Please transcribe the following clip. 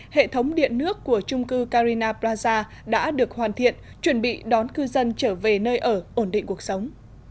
hệ thống điện nước của trung cư carina plaza đã được hoàn thiện chuẩn bị đón cư dân trở về nơi ở ổn định cuộc sống